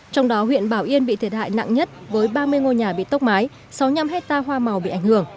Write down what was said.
trong đó huyện bảo yên bị thiệt hại nặng nhất với ba mươi ngôi nhà bị tốc mái sáu mươi năm hectare hoa màu bị ảnh hưởng